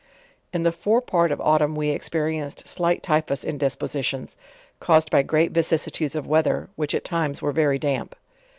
In the fore part of autumn we experienced Blight typhus indispositions, caused by great vicissitudes of weather, which at times were very damp.